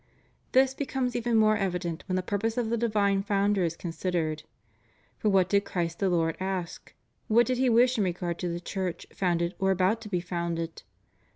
This becom.es even more evident when the purpose of the divine Founder is considered. For what did Christ the Lord ask? What did He wish in regard to the Church founded, or about to be founded?